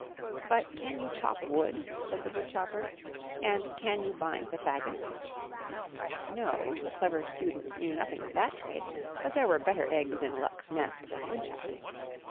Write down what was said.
" But can you chop wood ?*' said the wood chopper, " and can you bind the fagots?" No; the Clever Student knew nothing of that trade, but there were better eggs in Luck's nest than wood chopping.